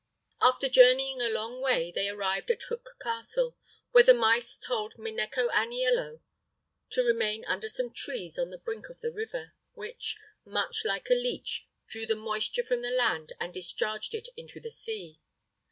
After journeying a long way, they arrived at Hook Castle, where the mice told Minecco Aniello to remain under some trees on the brink of the river, which, much like a leech, drew the moisture from the land and discharged it into the sea.